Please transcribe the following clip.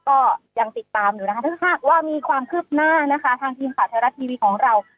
ก็ยังติดตามอยู่นะคะถ้าหากว่ามีความคืบหน้านะคะทางทีมข่าวไทยรัฐทีวีของเรา